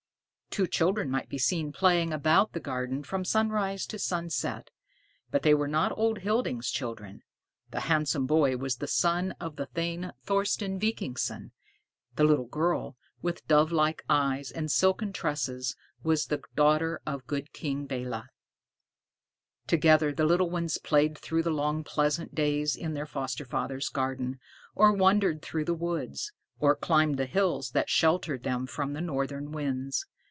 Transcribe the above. Two children might be seen playing about the garden from sunrise to sunset, but they were not old Hilding's children. The handsome boy was the son of the thane Thorsten Vikingsson; the little girl, with dove like eyes and silken tresses, was the daughter of good King Belé. Together the little ones played through the long pleasant days in their foster father's garden, or wandered through the woods, or climbed the hills that sheltered them from the northern winds.